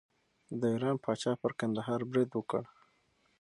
د ایران پاچا پر کندهار برید وکړ.